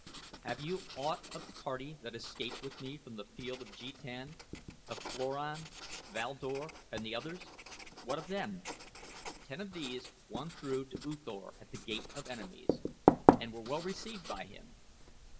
"Heard you aught of the party that escaped with me from The Field of Jetan of Floran, Val Dor, and the others? What of them?" "Ten of these won through to U Thor at The Gate of Enemies and were well received by him.